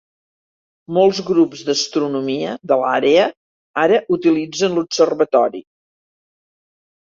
Molts grups d'astronomia de l'àrea ara utilitzen l'observatori.